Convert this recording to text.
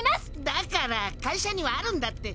だから会社にはあるんだって。